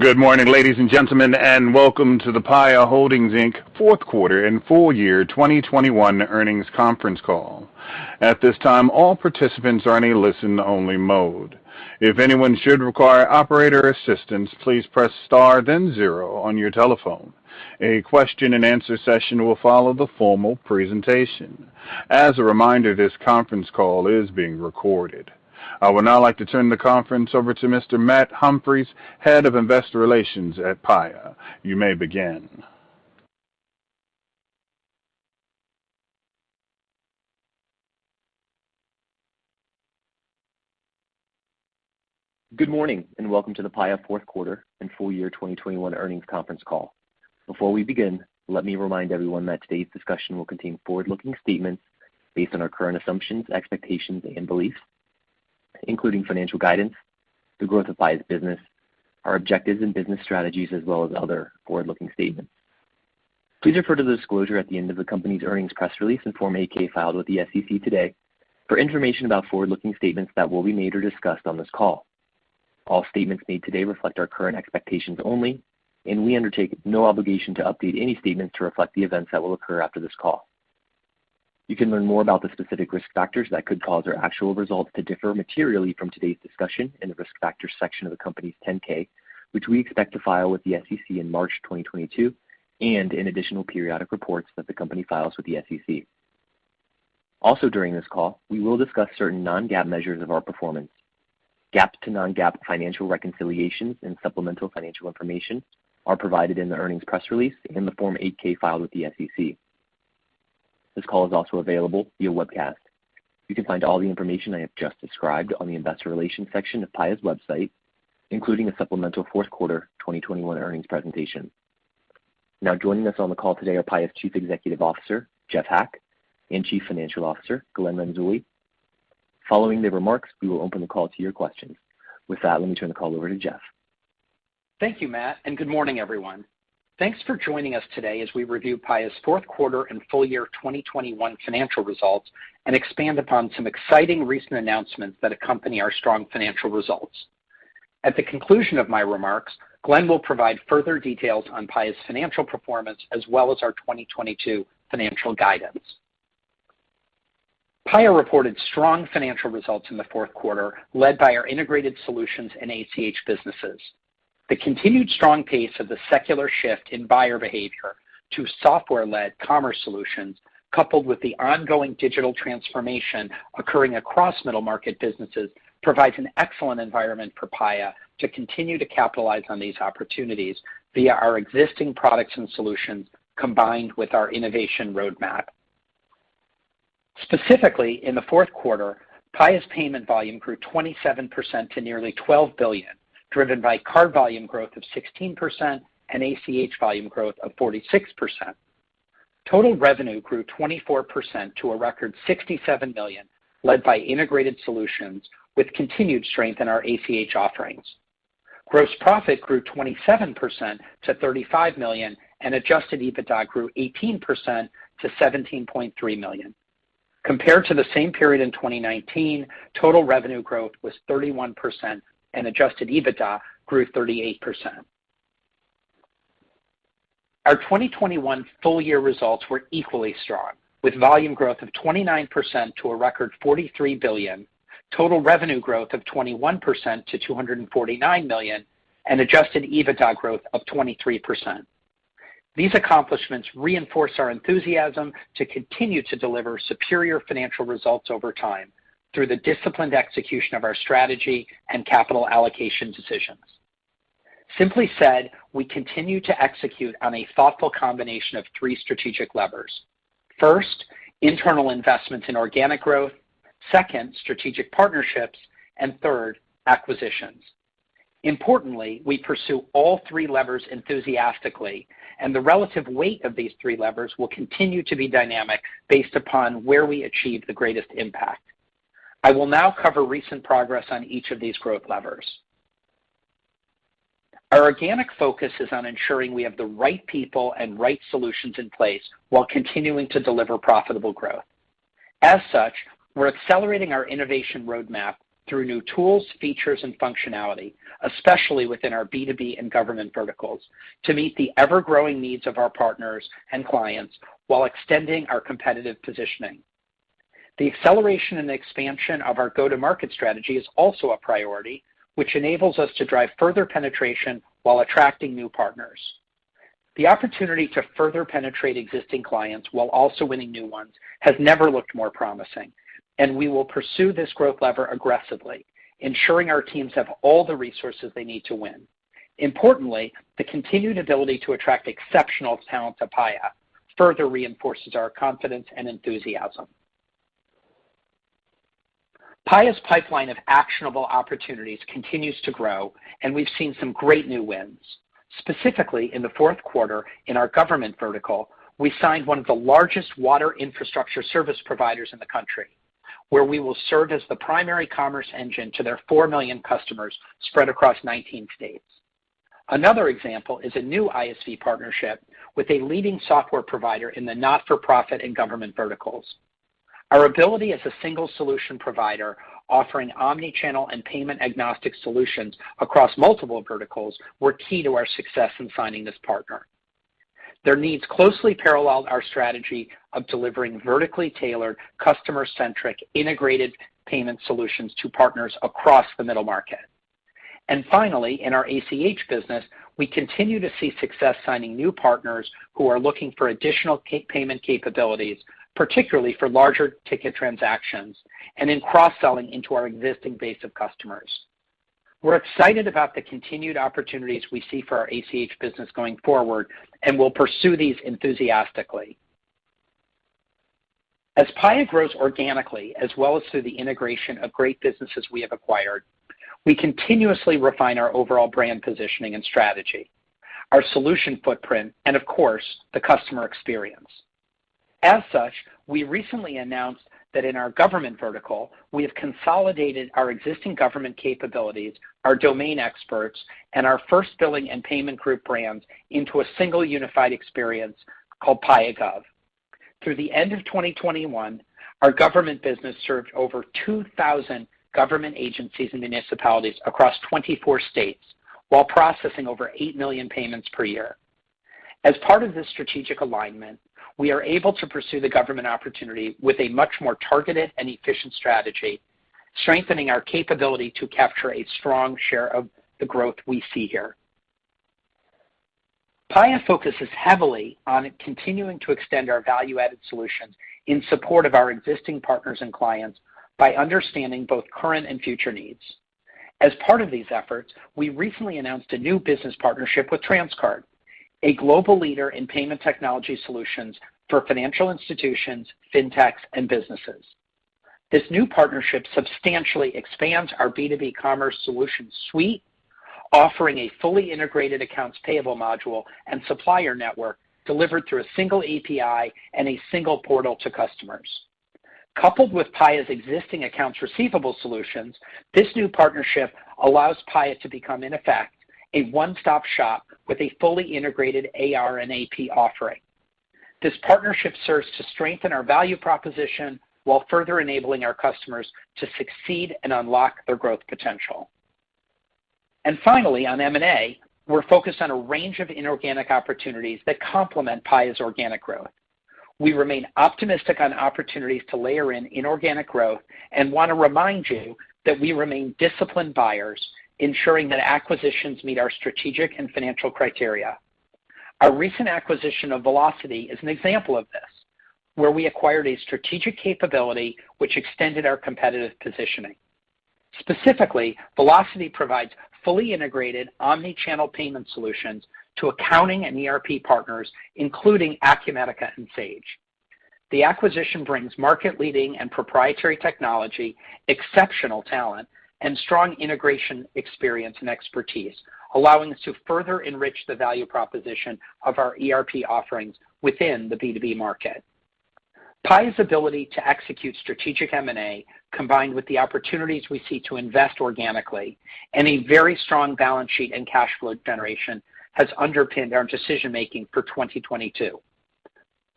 Good morning, ladies and gentlemen, and welcome to the Paya Holdings Inc. Q4 and full year 2021 earnings conference call. At this time, all participants are in a listen-only mode. If anyone should require operator assistance, please press star then zero on your telephone. A question and answer session will follow the formal presentation. As a reminder, this conference call is being recorded. I would now like to turn the conference over to Mr. Matt Humphries, Head of Investor Relations at Paya. You may begin. Good morning and welcome to the Paya Q4 and full year 2021 earnings conference call. Before we begin, let me remind everyone that today's discussion will contain forward-looking statements based on our current assumptions, expectations and beliefs, including financial guidance, the growth of Paya's business, our objectives and business strategies as well as other forward-looking statements. Please refer to the disclosure at the end of the company's earnings press release and Form 8-K filed with the SEC today for information about forward-looking statements that will be made or discussed on this call. All statements made today reflect our current expectations only, and we undertake no obligation to update any statements to reflect the events that will occur after this call. You can learn more about the specific risk factors that could cause our actual results to differ materially from today's discussion in the risk factor section of the company's Form 10-K, which we expect to file with the SEC in March 2022, and in additional periodic reports that the company files with the SEC. Also during this call, we will discuss certain non-GAAP measures of our performance. GAAP to non-GAAP financial reconciliations and supplemental financial information are provided in the earnings press release in the Form 8-K filed with the SEC. This call is also available via webcast. You can find all the information I have just described on the Investor Relations section of Paya's website, including a supplemental Q4 2021 earnings presentation. Now, joining us on the call today are Paya's Chief Executive Officer, Jeff Hack, and Chief Financial Officer, Glenn Renzulli. Following the remarks, we will open the call to your questions. With that, let me turn the call over to Jeff. Thank you, Matt, and good morning, everyone. Thanks for joining us today as we review Paya's Q4 and full year 2021 financial results and expand upon some exciting recent announcements that accompany our strong financial results. At the conclusion of my remarks, Glenn will provide further details on Paya's financial performance as well as our 2022 financial guidance. Paya reported strong financial results in the Q4, led by our integrated solutions and ACH businesses. The continued strong pace of the secular shift in buyer behavior to software-led commerce solutions, coupled with the ongoing digital transformation occurring across middle market businesses, provides an excellent environment for Paya to continue to capitalize on these opportunities via our existing products and solutions combined with our innovation roadmap. Specifically, in the Q4, Paya's payment volume grew 27% to nearly $12 billion, driven by card volume growth of 16% and ACH volume growth of 46%. Total revenue grew 24% to a record $67 million, led by integrated solutions with continued strength in our ACH offerings. Gross profit grew 27% to $35 million, and adjusted EBITDA grew 18% to $17.3 million. Compared to the same period in 2019, total revenue growth was 31% and adjusted EBITDA grew 38%. Our 2021 full year results were equally strong, with volume growth of 29% to a record $43 billion, total revenue growth of 21% to $249 million, and adjusted EBITDA growth of 23%. These accomplishments reinforce our enthusiasm to continue to deliver superior financial results over time through the disciplined execution of our strategy and capital allocation decisions. Simply said, we continue to execute on a thoughtful combination of three strategic levers. First, internal investments in organic growth. Second, strategic partnerships. And third, acquisitions. Importantly, we pursue all three levers enthusiastically, and the relative weight of these three levers will continue to be dynamic based upon where we achieve the greatest impact. I will now cover recent progress on each of these growth levers. Our organic focus is on ensuring we have the right people and right solutions in place while continuing to deliver profitable growth. As such, we're accelerating our innovation roadmap through new tools, features and functionality, especially within our B2B and government verticals, to meet the ever-growing needs of our partners and clients while extending our competitive positioning. The acceleration and expansion of our go-to-market strategy is also a priority which enables us to drive further penetration while attracting new partners. The opportunity to further penetrate existing clients while also winning new ones has never looked more promising, and we will pursue this growth lever aggressively, ensuring our teams have all the resources they need to win. Importantly, the continued ability to attract exceptional talent to Paya further reinforces our confidence and enthusiasm. Paya's pipeline of actionable opportunities continues to grow, and we've seen some great new wins. Specifically, in the Q4 in our government vertical, we signed one of the largest water infrastructure service providers in the country, where we will serve as the primary commerce engine to their 4 million customers spread across 19 states. Another example is a new ISV partnership with a leading software provider in the not-for-profit and government verticals. Our ability as a single solution provider offering omnichannel and payment-agnostic solutions across multiple verticals were key to our success in finding this partner. Their needs closely paralleled our strategy of delivering vertically tailored, customer-centric integrated payment solutions to partners across the middle market. Finally, in our ACH business, we continue to see success signing new partners who are looking for additional payment capabilities, particularly for larger ticket transactions and in cross-selling into our existing base of customers. We're excited about the continued opportunities we see for our ACH business going forward, and we'll pursue these enthusiastically. As Paya grows organically, as well as through the integration of great businesses we have acquired, we continuously refine our overall brand positioning and strategy, our solution footprint, and of course, the customer experience. As such, we recently announced that in our government vertical, we have consolidated our existing government capabilities, our domain experts, and our first billing and payment group brands into a single unified experience called Paya Gov. Through the end of 2021, our government business served over 2,000 government agencies and municipalities across 24 states while processing over $8 million payments per year. As part of this strategic alignment, we are able to pursue the government opportunity with a much more targeted and efficient strategy, strengthening our capability to capture a strong share of the growth we see here. Paya focuses heavily on continuing to extend our value-added solutions in support of our existing partners and clients by understanding both current and future needs. As part of these efforts, we recently announced a new business partnership with Transcard, a global leader in payment technology solutions for financial institutions, fintechs, and businesses. This new partnership substantially expands our B2B commerce solution suite, offering a fully integrated accounts payable module and supplier network delivered through a single API and a single portal to customers. Coupled with Paya's existing accounts receivable solutions, this new partnership allows Paya to become, in effect, a one-stop shop with a fully integrated AR and AP offering. This partnership serves to strengthen our value proposition while further enabling our customers to succeed and unlock their growth potential. Finally, on M&A, we're focused on a range of inorganic opportunities that complement Paya's organic growth. We remain optimistic on opportunities to layer in inorganic growth and want to remind you that we remain disciplined buyers, ensuring that acquisitions meet our strategic and financial criteria. Our recent acquisition of VelocIT is an example of this, where we acquired a strategic capability which extended our competitive positioning. Specifically, VelocIT provides fully integrated omnichannel payment solutions to accounting and ERP partners, including Acumatica and Sage. The acquisition brings market-leading and proprietary technology, exceptional talent, and strong integration experience and expertise, allowing us to further enrich the value proposition of our ERP offerings within the B2B market. Paya's ability to execute strategic M&A, combined with the opportunities we see to invest organically and a very strong balance sheet and cash flow generation, has underpinned our decision-making for 2022.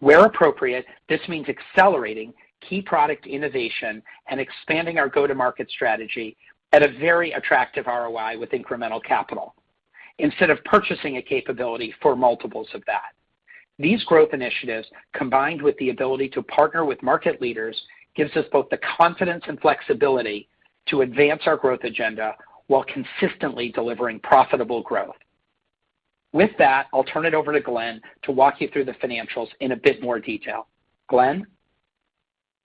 Where appropriate, this means accelerating key product innovation and expanding our go-to-market strategy at a very attractive ROI with incremental capital instead of purchasing a capability for multiples of that. These growth initiatives, combined with the ability to partner with market leaders, gives us both the confidence and flexibility to advance our growth agenda while consistently delivering profitable growth. With that, I'll turn it over to Glenn to walk you through the financials in a bit more detail. Glenn?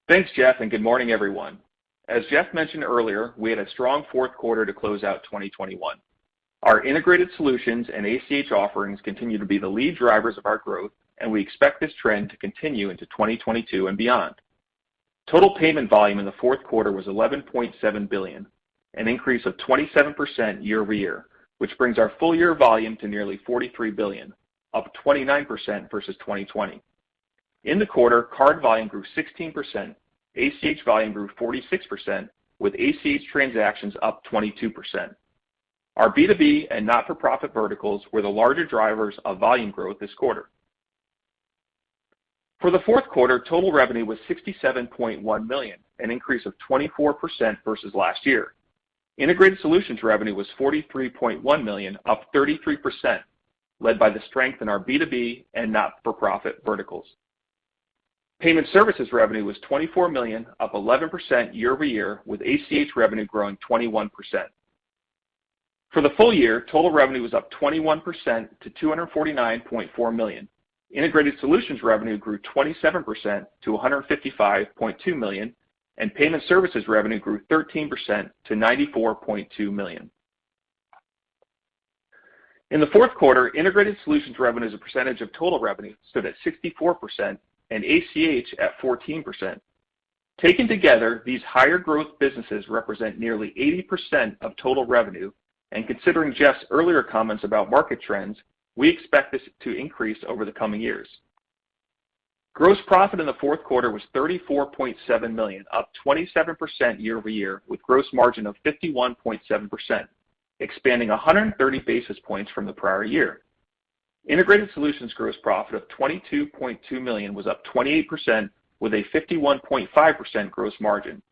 Thanks, Jeff, and good morning, everyone. As Jeff mentioned earlier, we had a strong Q4 to close out 2021. Our integrated solutions and ACH offerings continue to be the lead drivers of our growth, and we expect this trend to continue into 2022 and beyond. Total payment volume in the Q4 was $11.7 billion, an increase of 27% year-over-year, which brings our full year volume to nearly $43 billion, up 29% versus 2020. In the quarter, card volume grew 16%, ACH volume grew 46%, with ACH transactions up 22%. Our B2B and not-for-profit verticals were the larger drivers of volume growth this quarter. For the Q4, total revenue was $67.1 million, an increase of 24% versus last year. Integrated solutions revenue was $43.1 million, up 33%, led by the strength in our B2B and not-for-profit verticals. Payment services revenue was $24 million, up 11% year-over-year, with ACH revenue growing 21%. For the full year, total revenue was up 21% to $249.4 million. Integrated solutions revenue grew 27% to $155.2 million, and payment services revenue grew 13% to $94.2 million. In the Q4, integrated solutions revenue as a percentage of total revenue stood at 64%, and ACH at 14%. Taken together, these higher growth businesses represent nearly 80% of total revenue, and considering Jeff's earlier comments about market trends, we expect this to increase over the coming years. Gross profit in the Q4 was $34.7 million, up 27% year-over-year, with gross margin of 51.7%, expanding 130 basis points from the prior year. Integrated solutions gross profit of $22.2 million was up 28% with a 51.5% gross margin.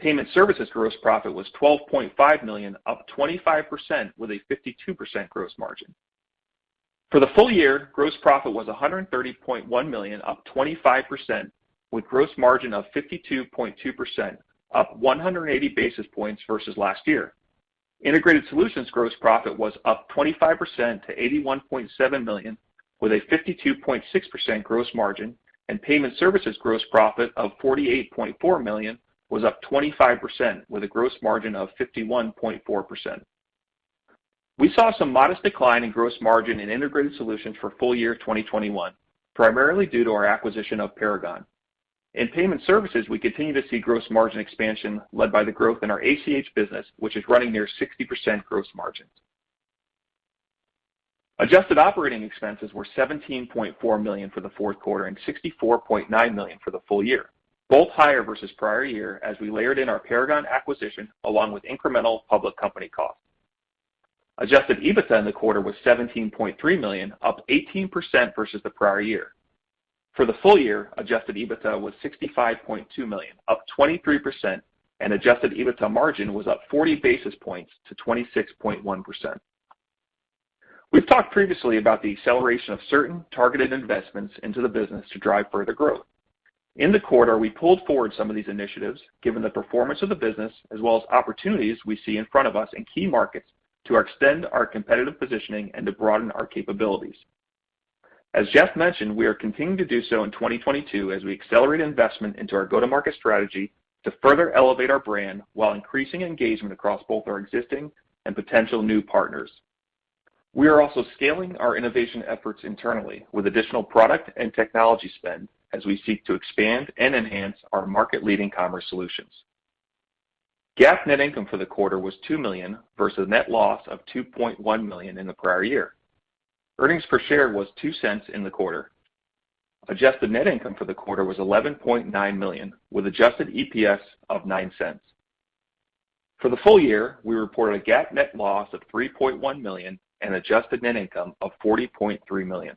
Payment services gross profit was $12.5 million, up 25% with a 52% gross margin. For the full year, gross profit was $130.1 million, up 25% with gross margin of 52.2%, up 180 basis points versus last year. Integrated solutions gross profit was up 25% to $81.7 million, with a 52.6% gross margin, and payment services gross profit of $48.4 million was up 25% with a gross margin of 51.4%. We saw some modest decline in gross margin in integrated solutions for full year 2021, primarily due to our acquisition of Paragon. In payment services, we continue to see gross margin expansion led by the growth in our ACH business, which is running near 60% gross margins. Adjusted operating expenses were $17.4 million for the Q4 and $64.9 million for the full year, both higher versus prior year as we layered in our Paragon acquisition along with incremental public company costs. Adjusted EBITDA in the quarter was $17.3 million, up 18% versus the prior year. For the full year, adjusted EBITDA was $65.2 million, up 23%, and adjusted EBITDA margin was up 40 basis points to 26.1%. We've talked previously about the acceleration of certain targeted investments into the business to drive further growth. In the quarter, we pulled forward some of these initiatives given the performance of the business as well as opportunities we see in front of us in key markets to extend our competitive positioning and to broaden our capabilities. As Jeff mentioned, we are continuing to do so in 2022 as we accelerate investment into our go-to-market strategy to further elevate our brand while increasing engagement across both our existing and potential new partners. We are also scaling our innovation efforts internally with additional product and technology spend as we seek to expand and enhance our market-leading commerce solutions. GAAP net income for the quarter was $2 million versus net loss of $2.1 million in the prior year. Earnings per share was $0.02 in the quarter. Adjusted net income for the quarter was $11.9 million, with adjusted EPS of $0.09. For the full year, we reported a GAAP net loss of $3.1 million and adjusted net income of $40.3 million.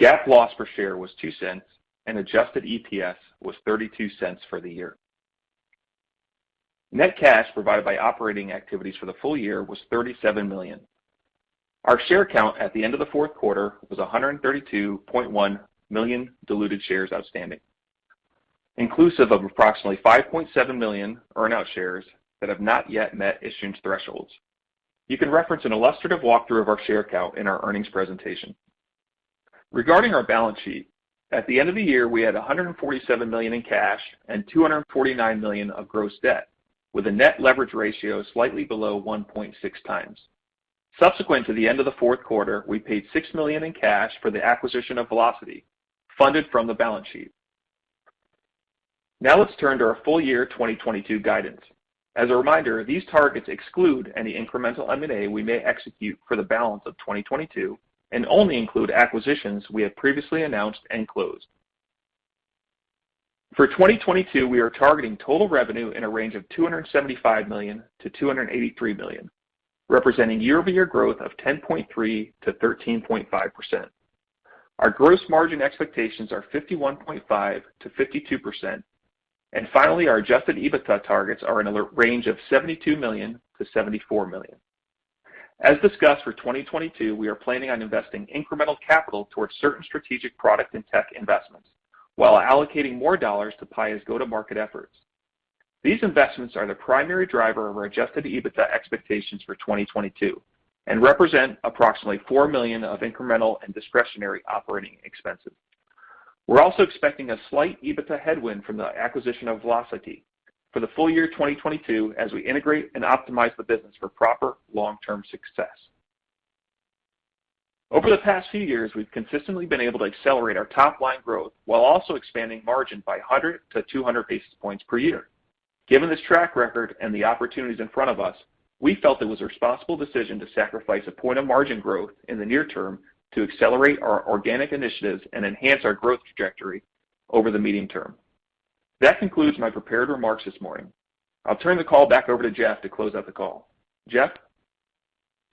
GAAP loss per share was $0.02, and adjusted EPS was $0.32 for the year. Net cash provided by operating activities for the full year was $37 million. Our share count at the end of the Q4 was 132.1 million diluted shares outstanding, inclusive of approximately 5.7 million earn out shares that have not yet met issuance thresholds. You can reference an illustrative walkthrough of our share count in our earnings presentation. Regarding our balance sheet, at the end of the year, we had $147 million in cash and $249 million of gross debt, with a net leverage ratio slightly below 1.6x. Subsequent to the end of the Q4, we paid $6 million in cash for the acquisition of VelocIT funded from the balance sheet. Now let's turn to our full year 2022 guidance. As a reminder, these targets exclude any incremental M&A we may execute for the balance of 2022 and only include acquisitions we have previously announced and closed. For 2022, we are targeting total revenue in a range of $275 million-$283 million, representing year-over-year growth of 10.3%-13.5%. Our gross margin expectations are 51.5%-52%. Finally, our adjusted EBITDA targets are in a range of $72 million-$74 million. As discussed for 2022, we are planning on investing incremental capital towards certain strategic product and tech investments while allocating more dollars to Paya's go-to-market efforts. These investments are the primary driver of our adjusted EBITDA expectations for 2022 and represent approximately $4 million of incremental and discretionary operating expenses. We're also expecting a slight EBITDA headwind from the acquisition of VelocIT for the full year 2022 as we integrate and optimize the business for proper long-term success. Over the past few years, we've consistently been able to accelerate our top line growth while also expanding margin by 100 basis points-200 basis points per year. Given this track record and the opportunities in front of us, we felt it was a responsible decision to sacrifice a point of margin growth in the near term to accelerate our organic initiatives and enhance our growth trajectory over the medium term. That concludes my prepared remarks this morning. I'll turn the call back over to Jeff to close out the call. Jeff?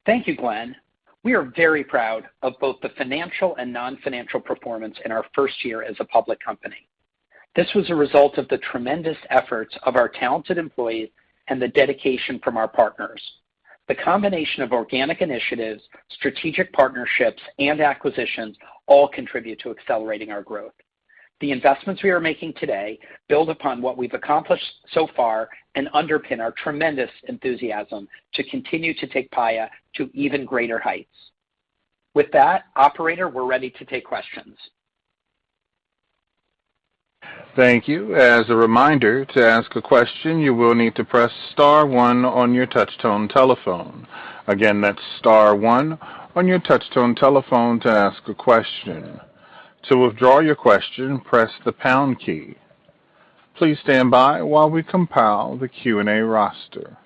Thank you, Glenn. We are very proud of both the financial and non-financial performance in our first year as a public company. This was a result of the tremendous efforts of our talented employees and the dedication from our partners. The combination of organic initiatives, strategic partnerships, and acquisitions all contribute to accelerating our growth. The investments we are making today build upon what we've accomplished so far and underpin our tremendous enthusiasm to continue to take Paya to even greater heights. With that, operator, we're ready to take questions. Thank you. As a reminder, to ask a question, you will need to press star one on your touch tone telephone. Again, that's star one on your touch tone telephone to ask a question. To withdraw your question, press the pound key. Please stand by while we compile the Q&A roster.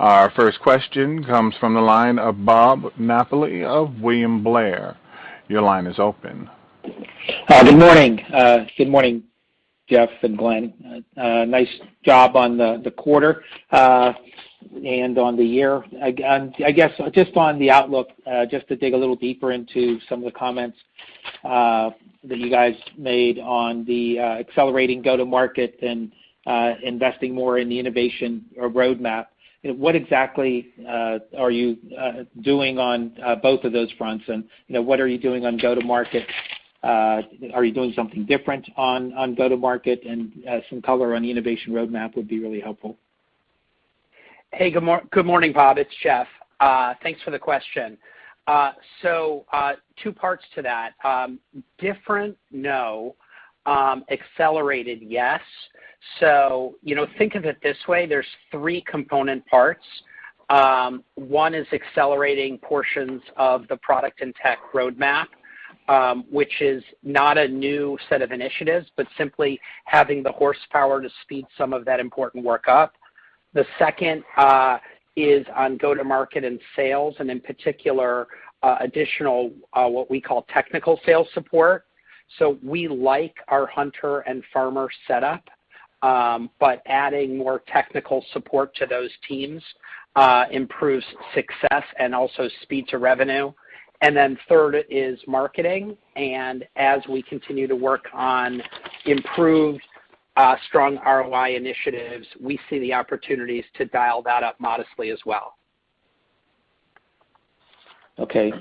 Our first question comes from the line of Bob Napoli of William Blair. Your line is open. Good morning. Good morning, Jeff and Glenn. Nice job on the quarter and on the year. I guess just on the outlook, just to dig a little deeper into some of the comments that you guys made on the accelerating go-to-market and investing more in the innovation or roadmap. What exactly are you doing on both of those fronts? You know, what are you doing on go-to-market? Are you doing something different on go-to-market? Some color on the innovation roadmap would be really helpful. Hey, good morning, Bob. It's Jeff. Thanks for the question. Two parts to that. Different? No. Accelerated? Yes. You know, think of it this way, there's three component parts. One is accelerating portions of the product and tech roadmap, which is not a new set of initiatives, but simply having the horsepower to speed some of that important work up. The second is on go-to-market and sales, and in particular, additional what we call technical sales support. We like our hunter and farmer setup. But adding more technical support to those teams improves success and also speed to revenue. Then third is marketing. As we continue to work on improved strong ROI initiatives, we see the opportunities to dial that up modestly as well. Okay.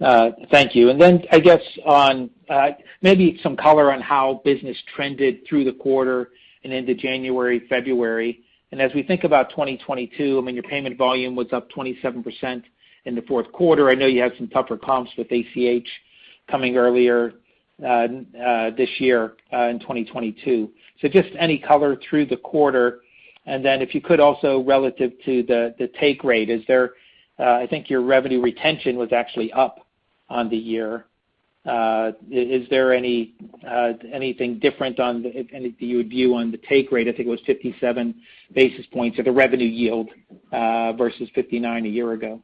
Thank you. I guess on maybe some color on how business trended through the quarter and into January, February. As we think about 2022, I mean, your payment volume was up 27% in the Q4. I know you had some tougher comps with ACH coming earlier this year in 2022. Just any color through the quarter. If you could also relative to the take rate, is there I think your revenue retention was actually up on the year. Is there anything different on the and you would view on the take rate? I think it was 57 basis points or the revenue yield versus 59 a year ago.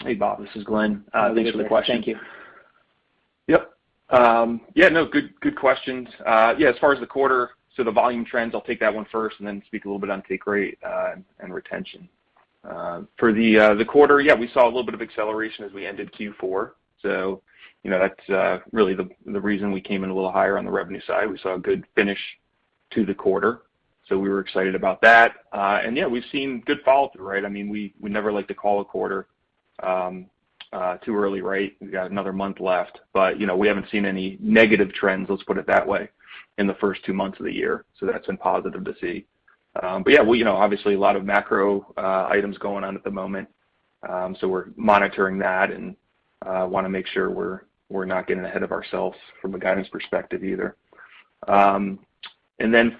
Hey, Bob, this is Glenn. Thanks for the question. Thank you. Yep. Yeah. No. Good questions. Yeah, as far as the quarter, the volume trends, I'll take that one first and then speak a little bit on take rate and retention for the quarter. Yeah, we saw a little bit of acceleration as we ended Q4. You know, that's really the reason we came in a little higher on the revenue side. We saw a good finish to the quarter, so we were excited about that. Yeah, we've seen good follow through, right? I mean, we never like to call a quarter too early, right? We've got another month left. You know, we haven't seen any negative trends, let's put it that way, in the first two months of the year. That's been positive to see. Yeah, you know, obviously a lot of macro items going on at the moment. We're monitoring that and wanna make sure we're not getting ahead of ourselves from a guidance perspective either.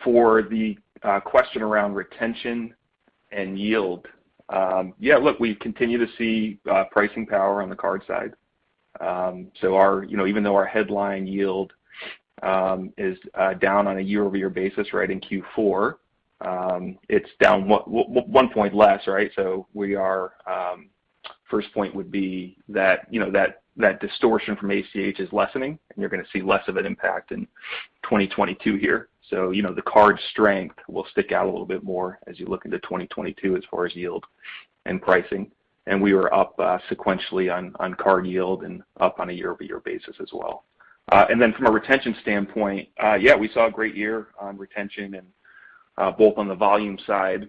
For the question around retention and yield, yeah, look, we continue to see pricing power on the card side. Our, you know, even though our headline yield is down on a year-over-year basis, right, in Q4, it's down one point less, right? First point would be that, you know, that distortion from ACH is lessening and you're gonna see less of an impact in 2022 here. You know, the card strength will stick out a little bit more as you look into 2022 as far as yield and pricing. We were up sequentially on card yield and up on a year-over-year basis as well. From a retention standpoint, yeah, we saw a great year on retention and both on the volume side,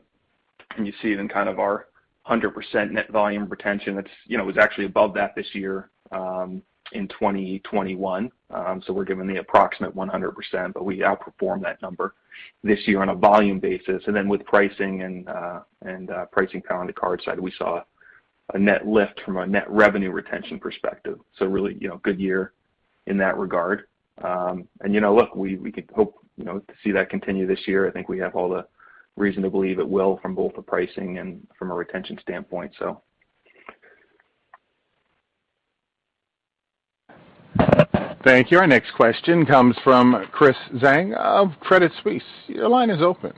and you see it in kind of our 100% net volume retention that's, you know, was actually above that this year in 2021. We're given the approximate 100%, but we outperformed that number this year on a volume basis. With pricing and pricing power on the card side, we saw a net lift from a net revenue retention perspective. Really, you know, good year in that regard. You know, look, we could hope, you know, to see that continue this year. I think we have all the reason to believe it will from both the pricing and from a retention standpoint. Thank you. Our next question comes from Chris Zhang of Credit Suisse. Your line is open.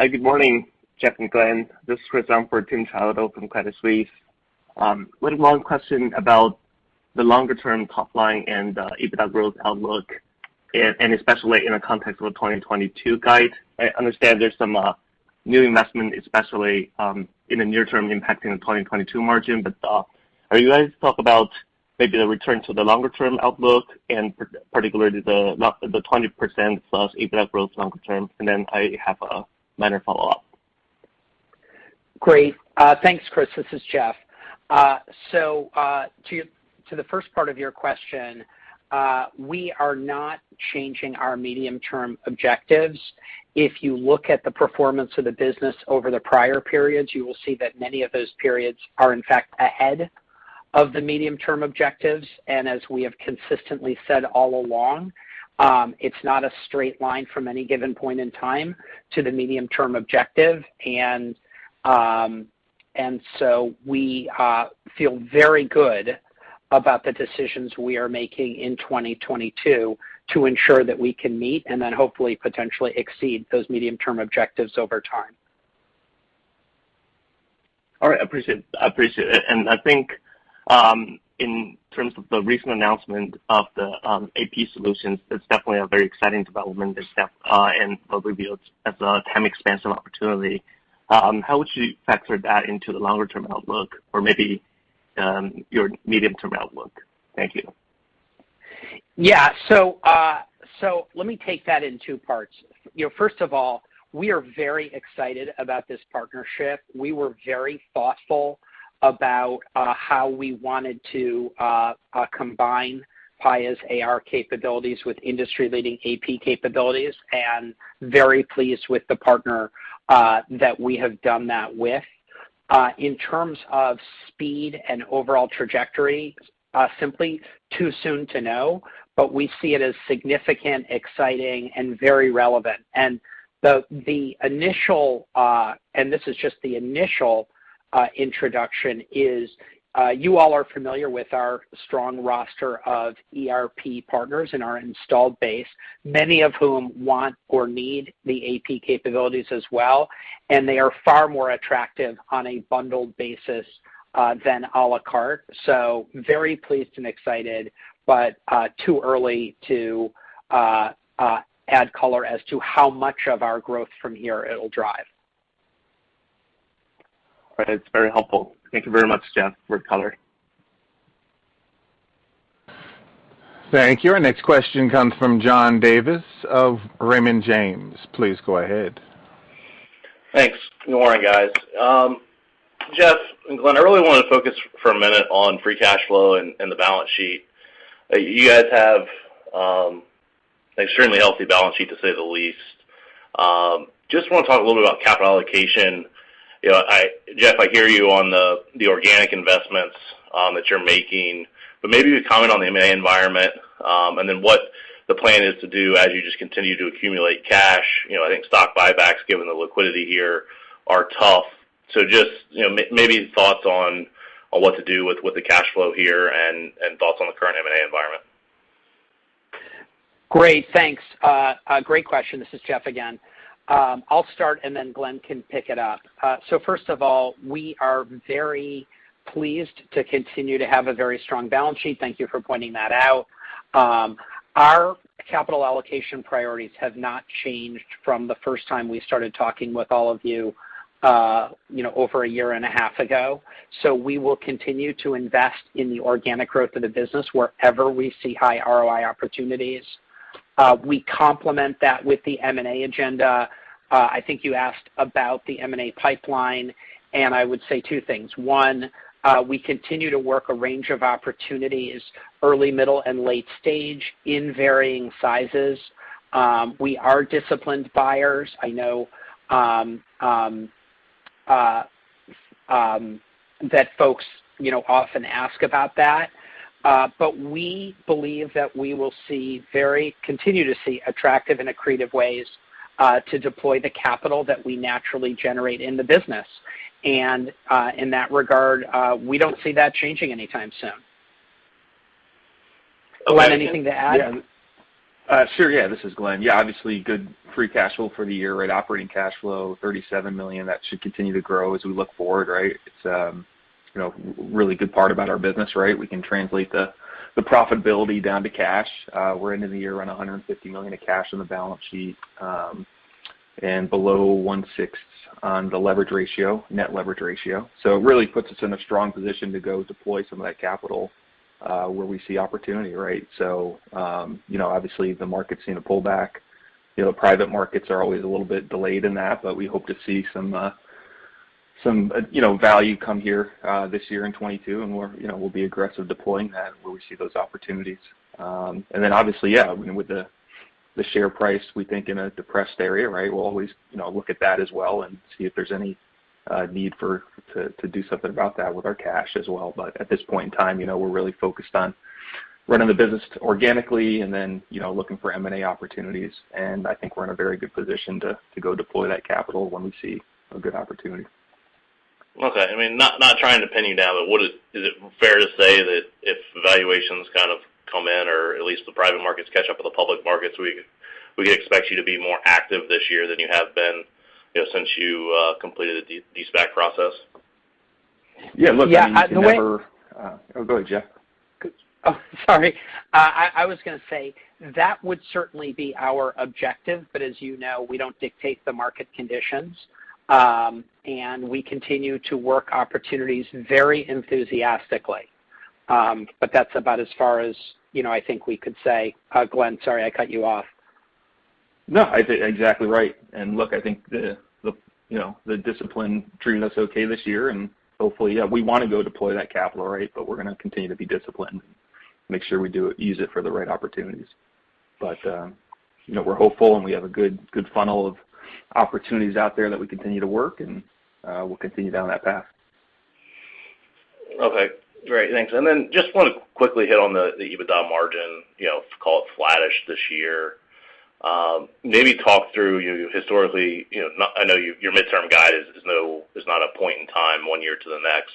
Hi. Good morning, Jeff and Glenn. This is [Christopher Zhang for Timothy Chiodo from] Credit Suisse. One long question about the longer term top line and EBITDA growth outlook, and especially in the context of the 2022 guide. I understand there's some new investment, especially in the near term impacting the 2022 margin. Are you guys talk about maybe the return to the longer term outlook and particularly the 20% plus EBITDA growth longer term? And then I have a minor follow-up. Great. Thanks, Chris. This is Jeff. So, to the first part of your question, we are not changing our medium-term objectives. If you look at the performance of the business over the prior periods, you will see that many of those periods are in fact ahead of the medium-term objectives. As we have consistently said all along, it's not a straight line from any given point in time to the medium-term objective. So we feel very good about the decisions we are making in 2022 to ensure that we can meet and then hopefully potentially exceed those medium-term objectives over time. All right, I appreciate it. I think in terms of the recent announcement of the AP solutions, that's definitely a very exciting development, this step, and what we view as a TAM expansion opportunity. How would you factor that into the longer term outlook or maybe your medium-term outlook? Thank you. Yeah. Let me take that in two parts. You know, first of all, we are very excited about this partnership. We were very thoughtful about how we wanted to combine Paya's AR capabilities with industry-leading AP capabilities, and very pleased with the partner that we have done that with. In terms of speed and overall trajectory, simply too soon to know, but we see it as significant, exciting, and very relevant. The initial, and this is just the initial introduction, is you all are familiar with our strong roster of ERP partners in our installed base, many of whom want or need the AP capabilities as well, and they are far more attractive on a bundled basis than à la carte. Very pleased and excited, but too early to add color as to how much of our growth from here it'll drive. Right. It's very helpful. Thank you very much, Jeff, for the color. Thank you. Our next question comes from John Davis of Raymond James. Please go ahead. Thanks. Good morning, guys. Jeff and Glenn, I really wanna focus for a minute on free cash flow and the balance sheet. You guys have extremely healthy balance sheet, to say the least. Just wanna talk a little bit about capital allocation. You know, Jeff, I hear you on the organic investments that you're making, but maybe you comment on the M&A environment and then what the plan is to do as you just continue to accumulate cash. You know, I think stock buybacks, given the liquidity here, are tough. Just, you know, maybe thoughts on what to do with the cash flow here and thoughts on the current M&A environment. Great. Thanks. A great question. This is Jeff again. I'll start, and then Glenn can pick it up. First of all, we are very pleased to continue to have a very strong balance sheet. Thank you for pointing that out. Our capital allocation priorities have not changed from the first time we started talking with all of you know, over a year and a half ago. We will continue to invest in the organic growth of the business wherever we see high ROI opportunities. We complement that with the M&A agenda. I think you asked about the M&A pipeline, and I would say two things. One, we continue to work a range of opportunities early, middle, and late stage in varying sizes. We are disciplined buyers. I know that folks, you know, often ask about that. We believe that we will continue to see attractive and accretive ways to deploy the capital that we naturally generate in the business. In that regard, we don't see that changing anytime soon. Glenn, anything to add? This is Glenn. Obviously, good free cash flow for the year, right? Operating cash flow, $37 million. That should continue to grow as we look forward, right? It's, you know, really good part about our business, right? We can translate the profitability down to cash. We're entering the year around $150 million of cash on the balance sheet, and below one-sixth on the leverage ratio, net leverage ratio. It really puts us in a strong position to go deploy some of that capital, where we see opportunity, right? You know, obviously, the market's seen a pullback. You know, private markets are always a little bit delayed in that, but we hope to see some value come here this year in 2022, and we're, you know, we'll be aggressive deploying that where we see those opportunities. Then obviously, with the share price, we think in a depressed area, right? We'll always, you know, look at that as well and see if there's any need to do something about that with our cash as well. But at this point in time, you know, we're really focused on running the business organically and then, you know, looking for M&A opportunities. I think we're in a very good position to go deploy that capital when we see a good opportunity. Okay. I mean, not trying to pin you down, but what is. Is it fair to say that if valuations kind of come in or at least the private markets catch up with the public markets, we expect you to be more active this year than you have been, you know, since you completed the de-SPAC process? Yeah. Look, I mean, you can never- Yeah. Oh, go ahead, Jeff. Oh, sorry. I was gonna say that would certainly be our objective, but as you know, we don't dictate the market conditions. We continue to work opportunities very enthusiastically. That's about as far as, you know, I think we could say. Glenn, sorry, I cut you off. No. I think exactly right. Look, I think the you know, the discipline treated us okay this year, and hopefully, yeah, we wanna go deploy that capital, right? But we're gonna continue to be disciplined, make sure we use it for the right opportunities. But, you know, we're hopeful, and we have a good funnel of opportunities out there that we continue to work, and we'll continue down that path. Okay, great. Thanks. Just wanna quickly hit on the EBITDA margin, you know, call it flattish this year. Maybe talk through your historically, you know, I know your midterm guide is not a point in time one year to the next.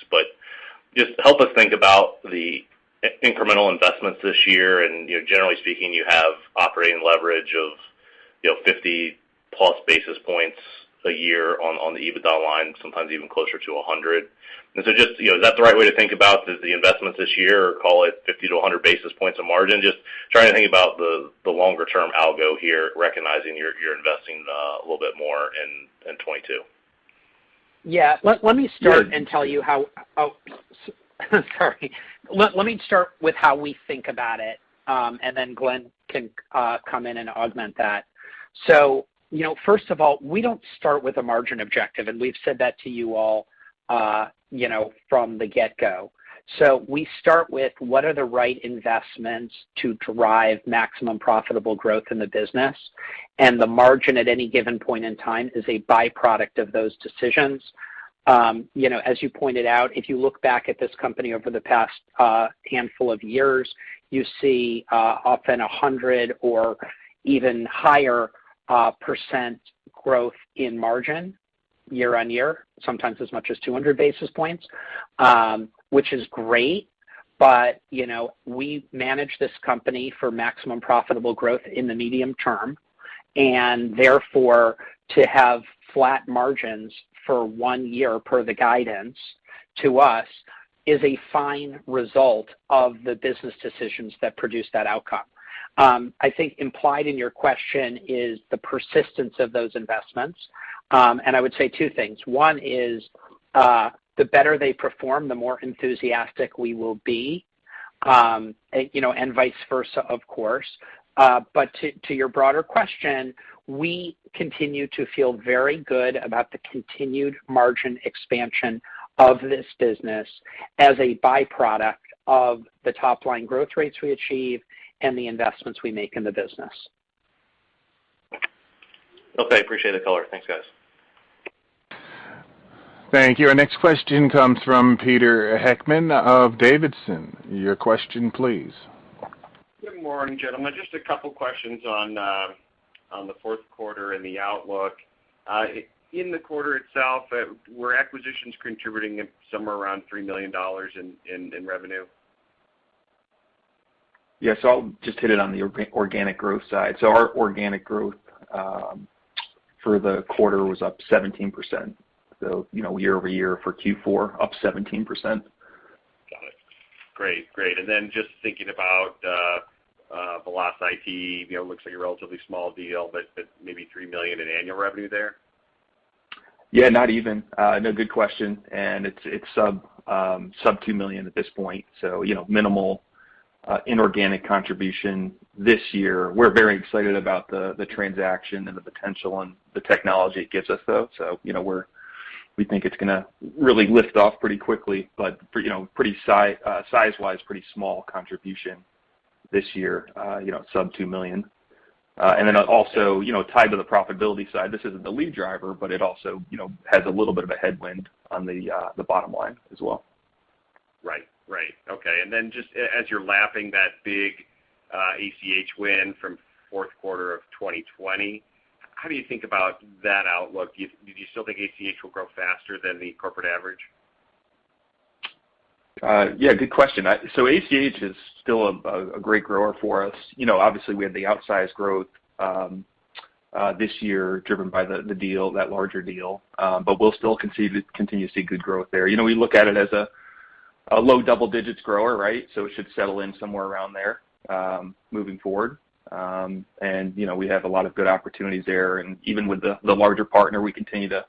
Just help us think about the incremental investments this year, and you know, generally speaking, you have operating leverage of, you know, 50+ basis points a year on the EBITDA line, sometimes even closer to 100 basis points. Just, you know, is that the right way to think about the investments this year or call it 50 basis points to 100 basis points of margin? Just trying to think about the longer term algo here, recognizing you're investing a little bit more in 2022. Let me start with how we think about it, and then Glenn can come in and augment that. You know, first of all, we don't start with a margin objective, and we've said that to you all, you know, from the get-go. We start with what are the right investments to drive maximum profitable growth in the business, and the margin at any given point in time is a byproduct of those decisions. You know, as you pointed out, if you look back at this company over the past handful of years, you see often 100% or even higher growth in margin year-over-year, sometimes as much as 200 basis points, which is great. you know, we manage this company for maximum profitable growth in the medium term, and therefore, to have flat margins for one year per the guidance to us is a fine result of the business decisions that produce that outcome. I think implied in your question is the persistence of those investments. I would say two things. One is, the better they perform, the more enthusiastic we will be, you know, and vice versa, of course. To your broader question, we continue to feel very good about the continued margin expansion of this business as a byproduct of the top line growth rates we achieve and the investments we make in the business. Okay. Appreciate the color. Thanks, guys. Thank you. Our next question comes from Peter Heckmann of Davidson. Your question please. Good morning, gentlemen. Just a couple questions on the Q4 and the outlook. In the quarter itself, were acquisitions contributing somewhere around $3 million in revenue? Yes. I'll just hit it on the organic growth side. Our organic growth for the quarter was up 17%. You know, year-over-year for Q4, up 17%. Got it. Great. Then just thinking about VelocIT, you know, looks like a relatively small deal, but maybe $3 million in annual revenue there? Yeah, not even. No, good question. It's sub-$2 million at this point. You know, minimal inorganic contribution this year. We're very excited about the transaction and the potential and the technology it gives us, though. You know, we think it's gonna really lift off pretty quickly, but, you know, size-wise, pretty small contribution this year, you know, sub-$2 million. Then also, you know, tied to the profitability side, this isn't the lead driver, but it also, you know, has a little bit of a headwind on the bottom line as well. Right. Okay. Just as you're lapping that big ACH win from Q4 of 2020, how do you think about that outlook? Do you still think ACH will grow faster than the corporate average? Yeah, good question. ACH is still a great grower for us. You know, obviously, we had the outsized growth this year driven by the deal, that larger deal. We'll still continue to see good growth there. You know, we look at it as a low double digits grower, right? It should settle in somewhere around there moving forward. You know, we have a lot of good opportunities there. Even with the larger partner, we continue to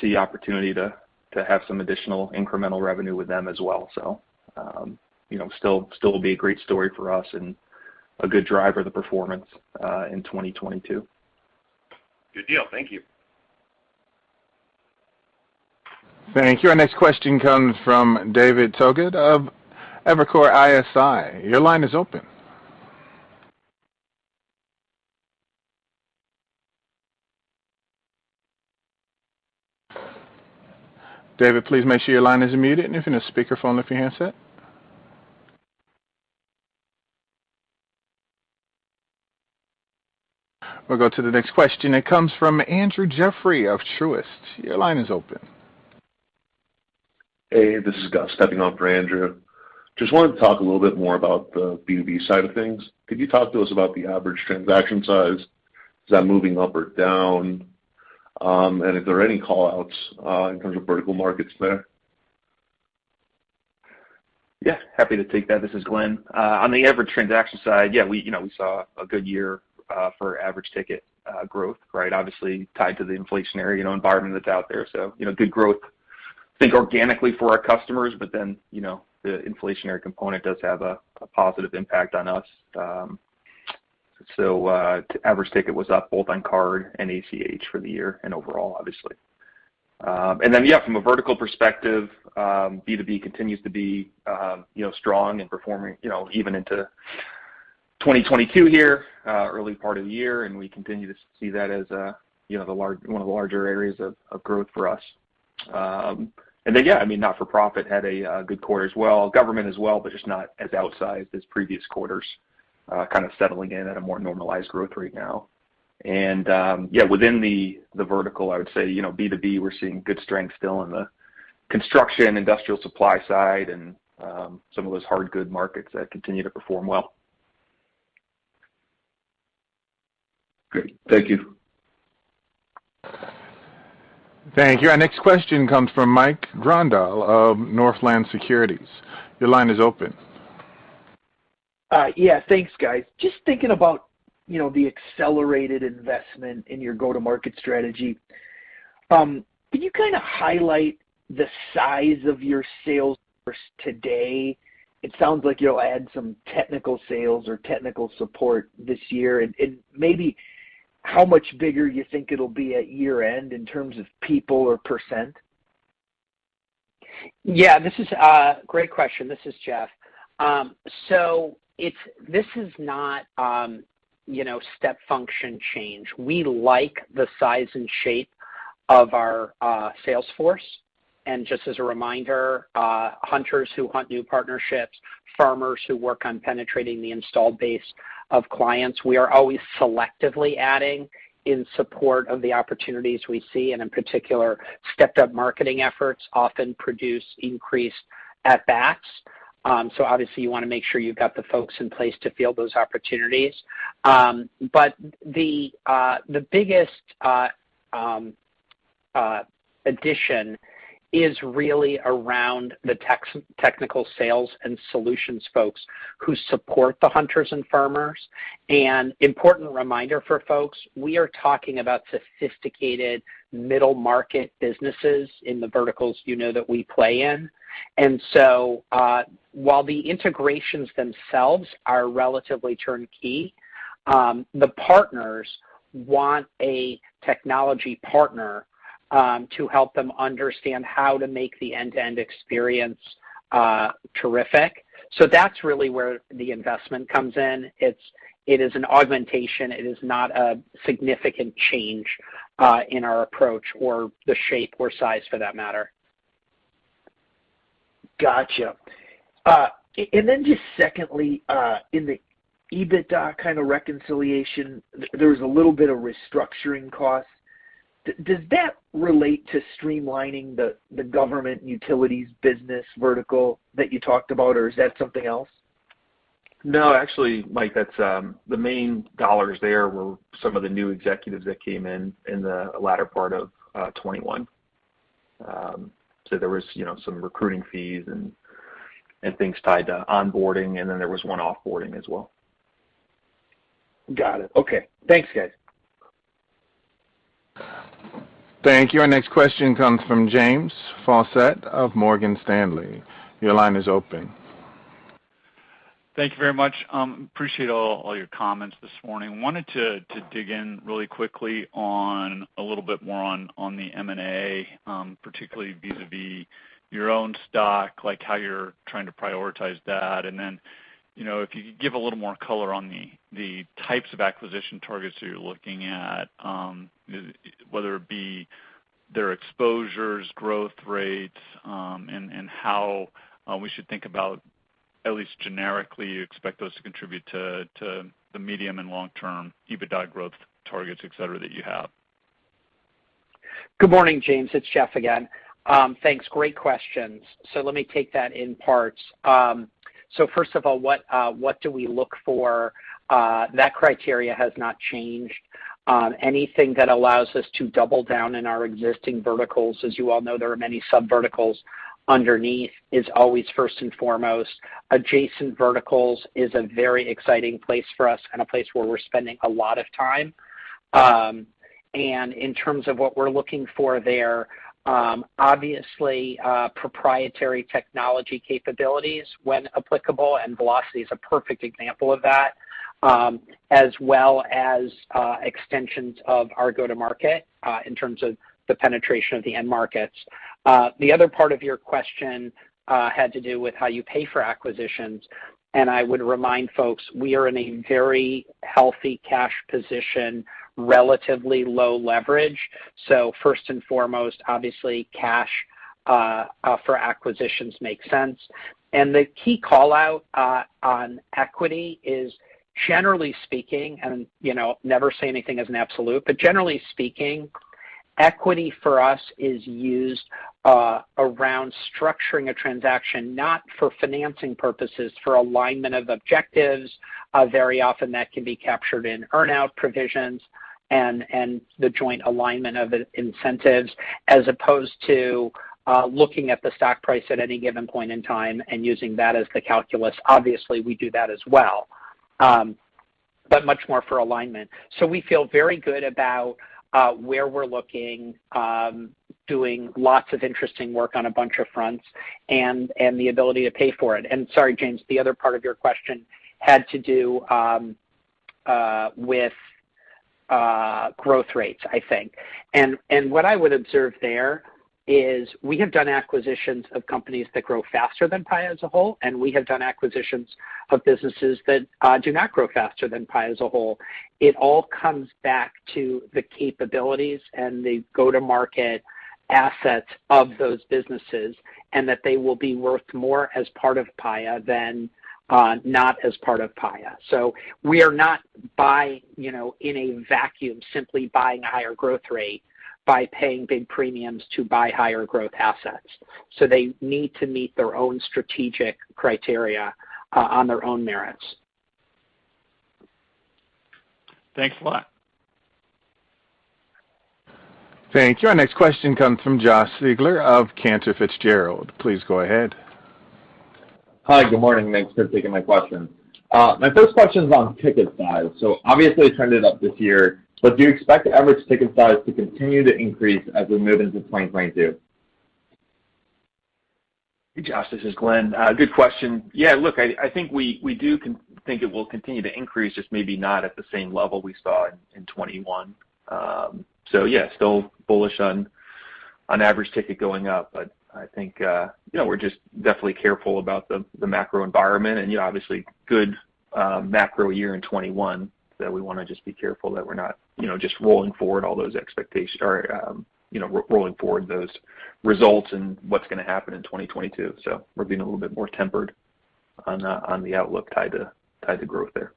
see opportunity to have some additional incremental revenue with them as well. You know, still will be a great story for us and a good driver of the performance in 2022. Good deal. Thank you. Thank you. Our next question comes from David Togut of Evercore ISI. Your line is open. David, please make sure your line is muted and open the speakerphone of your handset. We'll go to the next question. It comes from Andrew Jeffrey of Truist. Your line is open. Hey, this is Gus stepping on for Andrew. Just wanted to talk a little bit more about the B2B side of things. Could you talk to us about the average transaction size? Is that moving up or down? If there are any call outs in terms of vertical markets there? Yeah, happy to take that. This is Glenn. On the average transaction side, yeah, we, you know, we saw a good year for average ticket growth, right? Obviously tied to the inflationary, you know, environment that's out there. You know, good growth, I think organically for our customers, but then, you know, the inflationary component does have a positive impact on us. The average ticket was up both on card and ACH for the year and overall, obviously. From a vertical perspective, B2B continues to be, you know, strong and performing, you know, even into 2022 here, early part of the year, and we continue to see that as, you know, one of the larger areas of growth for us. I mean, nonprofit had a good quarter as well. Government as well, but just not as outsized as previous quarters, kind of settling in at a more normalized growth rate now. Yeah, within the vertical, I would say, you know, B2B, we're seeing good strength still in the construction, industrial supply side and some of those hard good markets that continue to perform well. Great. Thank you. Thank you. Our next question comes from Mike Grondahl of Northland Securities. Your line is open. Yeah, thanks, guys. Just thinking about, you know, the accelerated investment in your go-to-market strategy. Can you kinda highlight the size of your sales force today? It sounds like you'll add some technical sales or technical support this year. Maybe how much bigger you think it'll be at year-end in terms of people or percent. Yeah, this is a great question. This is Jeff. This is not, you know, step function change. We like the size and shape of our sales force. Just as a reminder, hunters who hunt new partnerships, farmers who work on penetrating the installed base of clients, we are always selectively adding in support of the opportunities we see, and in particular, stepped-up marketing efforts often produce increased at-bats. Obviously you wanna make sure you've got the folks in place to field those opportunities. The biggest addition is really around the technical sales and solutions folks who support the hunters and farmers. Important reminder for folks, we are talking about sophisticated middle-market businesses in the verticals you know that we play in. While the integrations themselves are relatively turnkey, the partners want a technology partner to help them understand how to make the end-to-end experience terrific. That's really where the investment comes in. It is an augmentation. It is not a significant change in our approach or the shape or size for that matter. Gotcha. Just secondly, in the EBITDA kind of reconciliation, there was a little bit of restructuring costs. Does that relate to streamlining the government utilities business vertical that you talked about, or is that something else? No, actually, Mike, that's the main dollars. There were some of the new executives that came in in the latter part of 2021. There was, you know, some recruiting fees and things tied to onboarding, and then there was one off-boarding as well. Got it. Okay. Thanks, guys. Thank you. Our next question comes from James Faucette of Morgan Stanley. Your line is open. Thank you very much. I appreciate all your comments this morning. I wanted to dig in really quickly on a little bit more on the M&A, particularly vis-à-vis your own stock, like how you're trying to prioritize that. You know, if you could give a little more color on the types of acquisition targets that you're looking at, whether it be their exposures, growth rates, and how we should think about, at least generically, you expect those to contribute to the medium and long term EBITDA growth targets, et cetera, that you have. Good morning, James. It's Jeff again. Thanks. Great questions. Let me take that in parts. First of all, what do we look for? That criteria has not changed. Anything that allows us to double down in our existing verticals, as you all know, there are many sub verticals underneath, is always first and foremost. Adjacent verticals is a very exciting place for us and a place where we're spending a lot of time. And in terms of what we're looking for there, obviously, proprietary technology capabilities when applicable, and VelocIT is a perfect example of that, as well as, extensions of our go-to-market, in terms of the penetration of the end markets. The other part of your question had to do with how you pay for acquisitions. I would remind folks, we are in a very healthy cash position, relatively low leverage. First and foremost, obviously, cash for acquisitions make sense. The key call-out on equity is generally speaking, and, you know, never say anything as an absolute, but generally speaking, equity for us is used around structuring a transaction not for financing purposes, for alignment of objectives, very often that can be captured in earn out provisions and the joint alignment of incentives, as opposed to looking at the stock price at any given point in time and using that as the calculus. Obviously, we do that as well. But much more for alignment. We feel very good about where we're looking, doing lots of interesting work on a bunch of fronts and the ability to pay for it. Sorry, James, the other part of your question had to do with growth rates, I think. What I would observe there is we have done acquisitions of companies that grow faster than Paya as a whole, and we have done acquisitions of businesses that do not grow faster than Paya as a whole. It all comes back to the capabilities and the go-to-market assets of those businesses and that they will be worth more as part of Paya than not as part of Paya. We are not buying, you know, in a vacuum, simply buying a higher growth rate by paying big premiums to buy higher growth assets. They need to meet their own strategic criteria on their own merits. Thanks a lot. Thank you. Our next question comes from Josh Siegler of Cantor Fitzgerald. Please go ahead. Hi. Good morning. Thanks for taking my question. My first question is on ticket size. Obviously it turned it up this year, but do you expect the average ticket size to continue to increase as we move into 2022? Hey, Josh, this is Glenn. Good question. Yeah, look, I think we do think it will continue to increase, just maybe not at the same level we saw in 2021. So yeah, still bullish on average ticket going up. But I think, you know, we're just definitely careful about the macro environment and, you know, obviously good macro year in 2021. We wanna just be careful that we're not, you know, just rolling forward those results and what's gonna happen in 2022. We're being a little bit more tempered on the outlook tied to growth there.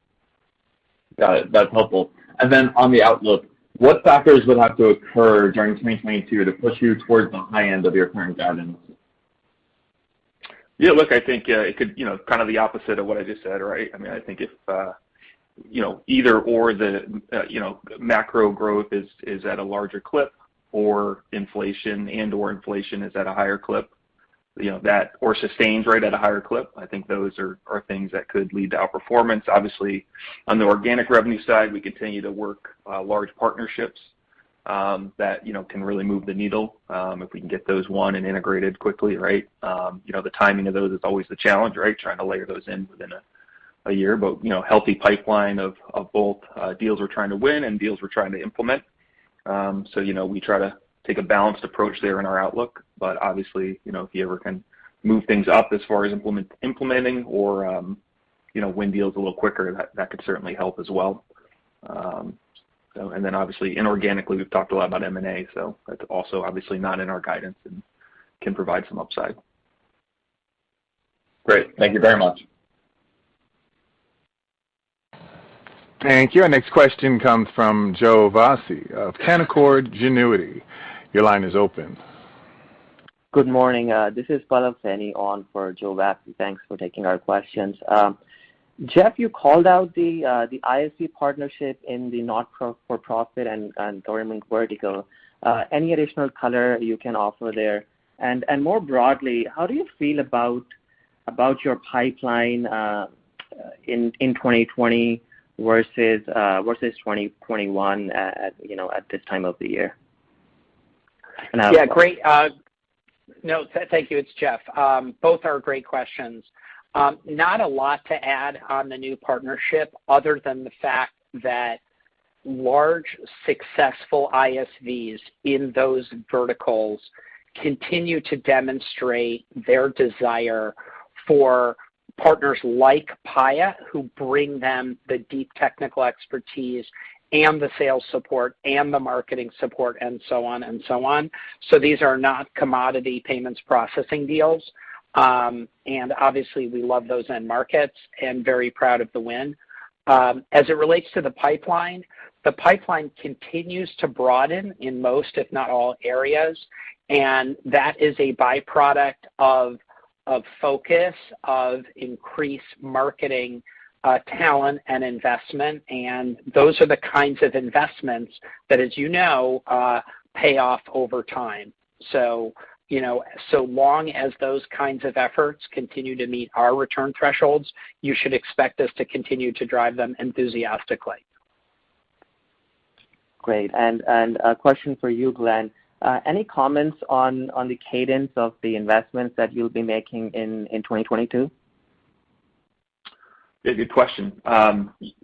Got it. That's helpful. On the outlook, what factors would have to occur during 2022 to push you towards the high end of your current guidance? Yeah, look, I think it could, you know, kind of the opposite of what I just said, right? I mean, I think if, you know, either or the, you know, macro growth is at a larger clip or inflation and/or inflation is at a higher clip, you know, that or sustains right at a higher clip, I think those are things that could lead to outperformance. Obviously, on the organic revenue side, we continue to work large partnerships that, you know, can really move the needle if we can get those won and integrated quickly, right? You know, the timing of those is always the challenge, right? Trying to layer those in within a year. You know, healthy pipeline of both deals we're trying to win and deals we're trying to implement. You know, we try to take a balanced approach there in our outlook. Obviously, you know, if you ever can move things up as far as implementing or, you know, win deals a little quicker, that could certainly help as well. Obviously inorganically, we've talked a lot about M&A, so that's also obviously not in our guidance and can provide some upside. Great. Thank you very much. Thank you. Our next question comes from Joe Vafi of Canaccord Genuity. Your line is open. Good morning. This is Pallav Saini on for Joe Vafi. Thanks for taking our questions. Jeff, you called out the ISV partnership in the not-for-profit and government vertical. Any additional color you can offer there? And more broadly, how do you feel about your pipeline in 2020 versus 2021 at this time of the year? Thank you. It's Jeff. Both are great questions. Not a lot to add on the new partnership other than the fact that large successful ISVs in those verticals continue to demonstrate their desire for partners like Paya, who bring them the deep technical expertise and the sales support and the marketing support and so on and so on. These are not commodity payments processing deals. Obviously we love those end markets and very proud of the win. As it relates to the pipeline, the pipeline continues to broaden in most, if not all, areas, and that is a byproduct of focus, of increased marketing, talent and investment. Those are the kinds of investments that, as you know, pay off over time. you know, so long as those kinds of efforts continue to meet our return thresholds, you should expect us to continue to drive them enthusiastically. Great. A question for you, Glenn. Any comments on the cadence of the investments that you'll be making in 2022? Yeah, good question.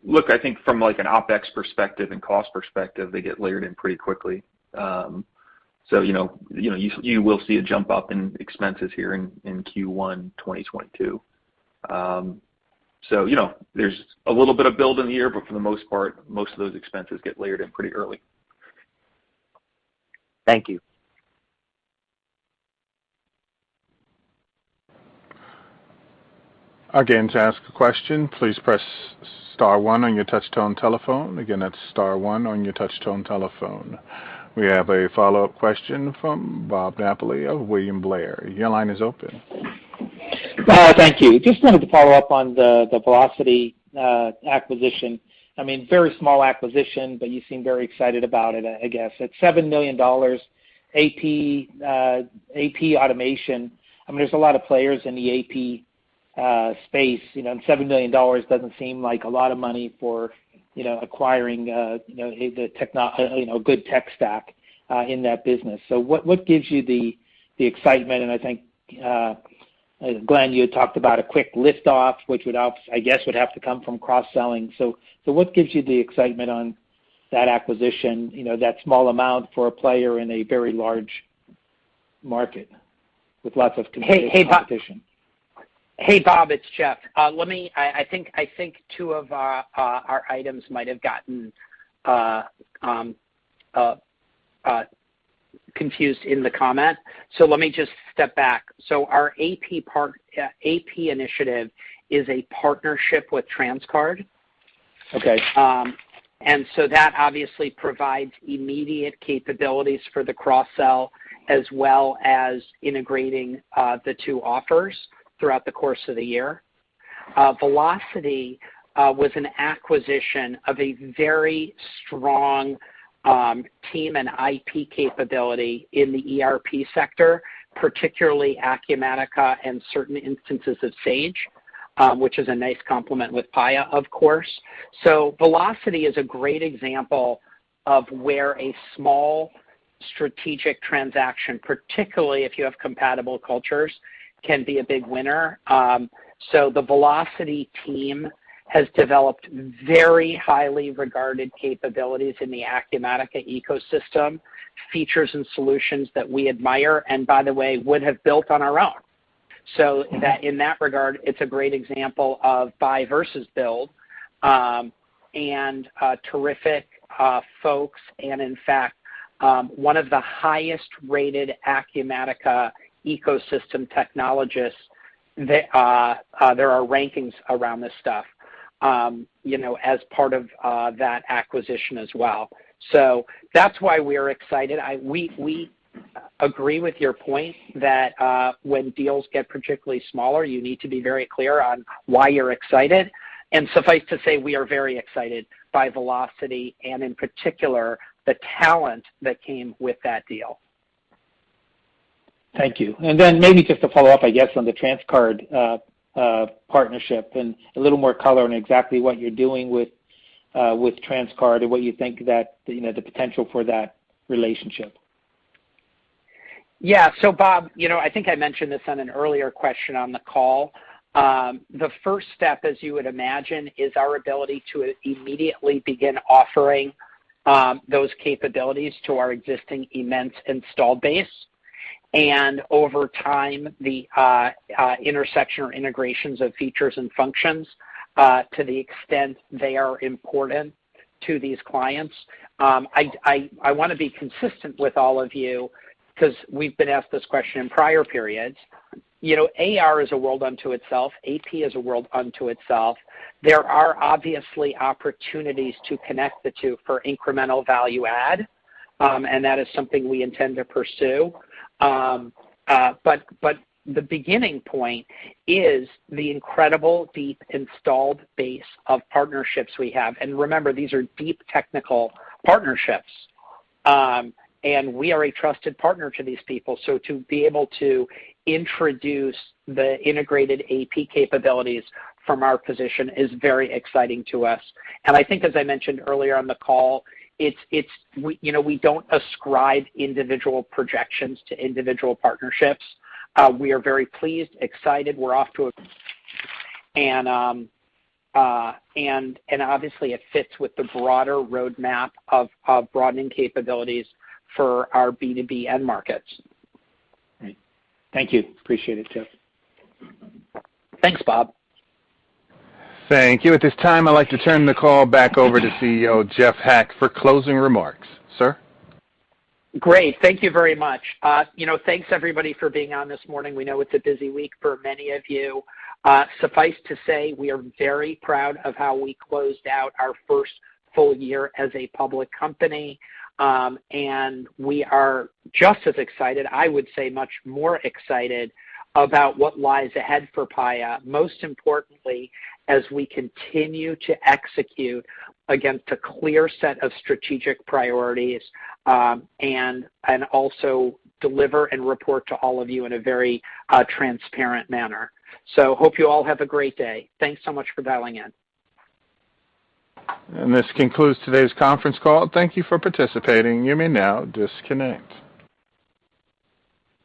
Look, I think from like an OpEx perspective and cost perspective, they get layered in pretty quickly. You will see a jump up in expenses here in Q1 2022. You know, there's a little bit of build in the year, but for the most part, most of those expenses get layered in pretty early. Thank you. Again to ask a question please press star one on your touch tone telephone again that's star one on your touch tone telephone. We have a follow-up question from Bob Napoli of William Blair. Your line is open. Thank you. Just wanted to follow up on the VelocIT acquisition. I mean, very small acquisition, but you seem very excited about it, I guess. At $7 million AP automation, I mean, there's a lot of players in the AP space, you know, and $7 million doesn't seem like a lot of money for, you know, acquiring, you know, good tech stack in that business. What gives you the excitement? I think, Glenn, you had talked about a quick lift off, which would help, I guess, would have to come from cross-selling. What gives you the excitement on that acquisition, you know, that small amount for a player in a very large market with lots of competition? Hey, Bob, it's Jeff. I think two of our items might have gotten confused in the comment, so let me just step back. Our AP initiative is a partnership with Transcard. Okay. That obviously provides immediate capabilities for the cross-sell as well as integrating the two offers throughout the course of the year. VelocIT was an acquisition of a very strong team and IP capability in the ERP sector, particularly Acumatica and certain instances of Sage, which is a nice complement with Paya, of course. VelocIT is a great example of where a small strategic transaction, particularly if you have compatible cultures, can be a big winner. The VelocIT team has developed very highly regarded capabilities in the Acumatica ecosystem, features and solutions that we admire and by the way, would have built on our own. That in that regard, it's a great example of buy versus build, and terrific folks. In fact, one of the highest rated Acumatica ecosystem technologists, there are rankings around this stuff, you know, as part of that acquisition as well. That's why we're excited. We agree with your point that when deals get particularly smaller, you need to be very clear on why you're excited. Suffice to say, we are very excited by VelocIT and in particular, the talent that came with that deal. Thank you. Maybe just to follow up, I guess, on the Transcard partnership and a little more color on exactly what you're doing with Transcard and what you think that, you know, the potential for that relationship. Bob, you know, I think I mentioned this on an earlier question on the call. The first step, as you would imagine, is our ability to immediately begin offering those capabilities to our existing immense installed base, and over time, the intersection or integrations of features and functions to the extent they are important to these clients. I wanna be consistent with all of you because we've been asked this question in prior periods. You know, AR is a world unto itself. AP is a world unto itself. There are obviously opportunities to connect the two for incremental value add, and that is something we intend to pursue. But the beginning point is the incredible deep installed base of partnerships we have. Remember, these are deep technical partnerships, and we are a trusted partner to these people. To be able to introduce the integrated AP capabilities from our position is very exciting to us. I think as I mentioned earlier on the call, we, you know, we don't ascribe individual projections to individual partnerships. We are very pleased, excited. We're off to a and obviously it fits with the broader roadmap of broadening capabilities for our B2B end markets. Great. Thank you. Appreciate it, Jeff. Thanks, Bob. Thank you. At this time, I'd like to turn the call back over to CEO Jeff Hack for closing remarks. Sir? Great. Thank you very much. You know, thanks everybody for being on this morning. We know it's a busy week for many of you. Suffice to say, we are very proud of how we closed out our first full year as a public company. We are just as excited, I would say much more excited about what lies ahead for Paya, most importantly, as we continue to execute against a clear set of strategic priorities, and also deliver and report to all of you in a very transparent manner. Hope you all have a great day. Thanks so much for dialing in. This concludes today's conference call. Thank you for participating. You may now disconnect.